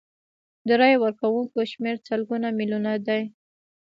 د رایې ورکوونکو شمیر سلګونه میلیونه دی.